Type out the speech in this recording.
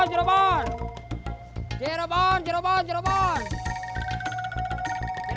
sejujurnya bucket disponibel